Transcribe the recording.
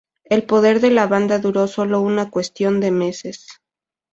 El poder de la banda duró sólo una cuestión de meses.